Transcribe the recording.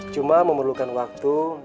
cuma memerlukan waktu